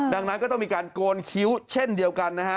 ดังนั้นก็ต้องมีการโกนคิ้วเช่นเดียวกันนะฮะ